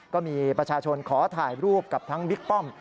ก็มีประชาชนขอถ่ายรูปกับทั้งบิ๊กป้อม